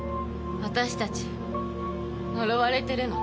私たち呪われてるの。